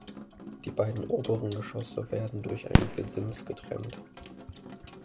Die beiden oberen Geschosse werden durch ein Gesims getrennt.